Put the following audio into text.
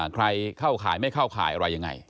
เข้าข่ายไม่เข้าข่ายอะไรยังไง